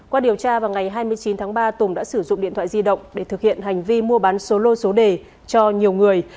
qua điều tra vào ngày hai mươi chín tháng ba tùng đã sử dụng điện thoại di động để thực hiện hành vi mua bán số lô số đề cho nhiều người